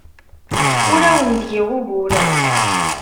Ur awen-d-giɣ ugur.